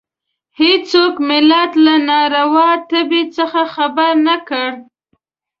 هېڅوک ملت له ناروا تبې څخه خبر نه کړي.